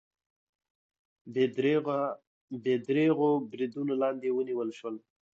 بې درېغو بریدونو لاندې ونیول شول